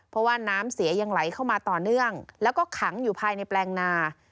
เพราะว่าน้ำเสียยังไหลเข้ามาต่อเนื่องแล้วก็ขังอยู่ภายในแปลงนา